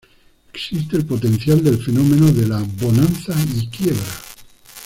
Existe el potencial del fenómeno de la "bonanza y quiebra".